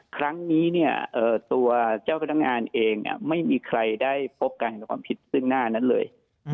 ครั้งนี้เนี่ยตัวเจ้าพนักงานเองไม่มีใครได้พบการกระทำความผิดซึ่งหน้านั้นเลย